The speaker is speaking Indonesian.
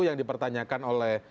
yang dipertanyakan oleh